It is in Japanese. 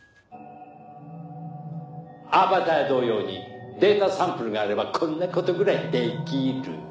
アバター同様にデータサンプルがあればこんな事ぐらいできる！